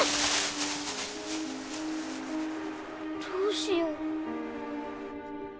どうしよう。